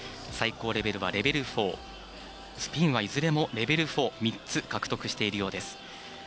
最高レベルはレベル４スピンはいずれもレベル４３つ獲得しているようです。